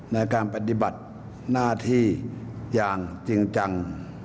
ในการปฏิบัติหน้าที่อย่างจริงจัง